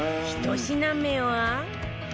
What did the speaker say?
１品目は